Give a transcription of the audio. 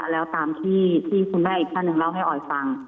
แล้วตามที่คุณแม่อีกท่านหนึ่งเล่าให้ออยฟัง